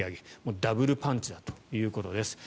ダブルパンチだということです。